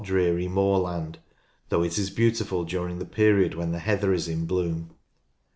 SCENERY 65 dreary moorland, though it is beautiful during the period when the heather is in bloom.